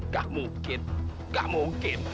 gak mungkin gak mungkin